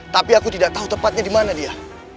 tapi aku tidak tahu tepatnya dimana dia